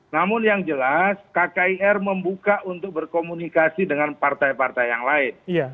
namun yang jelas kkir membuka untuk berkomunikasi dengan partai partai yang lain